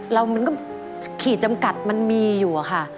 แล้วมันก็ขีดจำกัดมันมีอยู่อะค่ะ